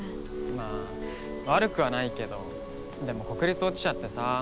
まあ悪くはないけどでも国立落ちちゃってさ。